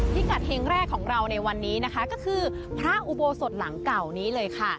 พิกัดเฮงแรกของเราในวันนี้นะคะก็คือพระอุโบสถหลังเก่านี้เลยค่ะ